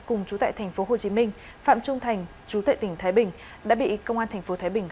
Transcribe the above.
cùng chú tệ thành phố hồ chí minh phạm trung thành chú tệ tỉnh thái bình đã bị công an thành phố thái bình